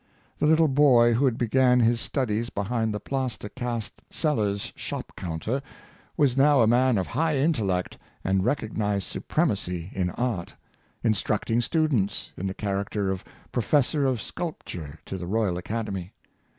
The little boy who had began his studies behind the plaster cast seller's shop counter was now a man of high intellect and recognized supremacy in art, instructing students, in the character of Professor of Sculpture to the Royal Academy.